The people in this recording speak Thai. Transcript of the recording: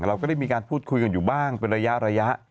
เราก็ได้มีการพูดคุยกันอยู่บ้างเป็นระยะ